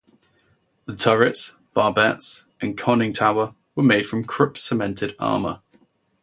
The turrets, barbettes and conning tower were made from Krupp cemented armour.